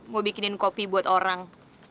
mau bikinin kopi buat orang